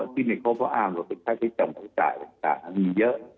พี่ไม่ครบก็อ้างว่าถ้าพี่จำเป็นตายมีเยอะ